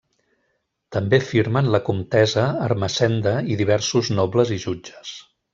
També firmen la comtessa Ermessenda i diversos nobles i jutges.